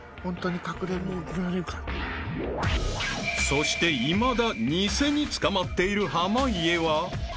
［そしていまだ偽に捕まっている濱家は］